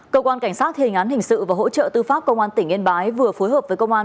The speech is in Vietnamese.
cơ quan cảnh sát thềnh án hình sự và hỗ trợ tư pháp công an tỉnh yên bái vừa phối hợp với công an huyện